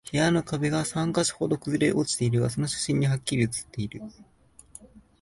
部屋の壁が三箇所ほど崩れ落ちているのが、その写真にハッキリ写っている